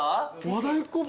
和太鼓部。